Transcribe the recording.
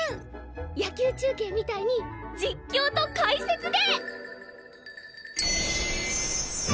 野球中継みたいに実況と解説で！